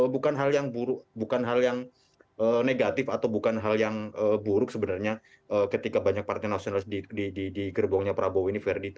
bukan hal yang negatif atau bukan hal yang buruk sebenarnya ketika banyak partai nasionalis di gerbongnya prabowo ini